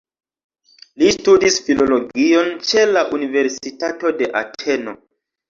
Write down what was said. Li studis filologion ĉe la Universitato de Ateno.